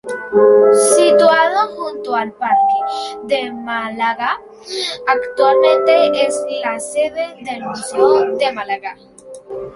Situado junto al parque de Málaga, actualmente es la sede del Museo de Málaga.